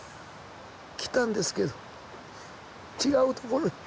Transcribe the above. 来たんですけど違うところへ。